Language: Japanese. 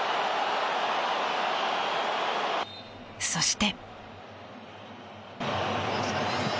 そして。